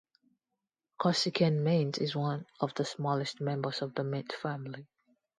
Corsican mint is one of the smallest members of the mint family.